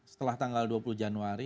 setelah tanggal dua puluh januari